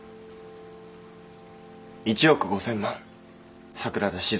１億５，０００万桜田しず